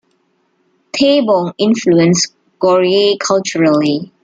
Taebong influenced Goryeo culturally.